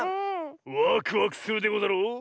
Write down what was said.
ワクワクするでござろう。